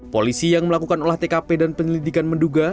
polisi yang melakukan olah tkp dan penyelidikan menduga